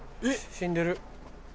死んでる。